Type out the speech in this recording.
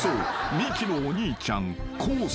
ミキのお兄ちゃん昴生］